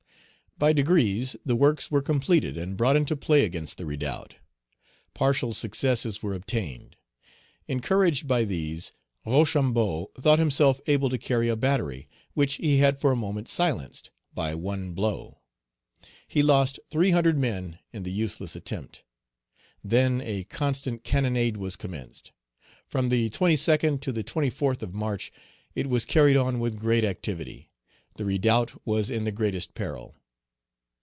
By degrees, the works were completed and brought into play against the redoubt. Partial successes were obtained. Encouraged by these, Rochambeau thought himself able to carry a battery, which he had for a moment silenced, by one blow. He lost three hundred men in the useless attempt. Then a constant cannonade was commenced. From the 22d to the 24th of March, it was carried on with great activity. The redoubt was in the greatest peril.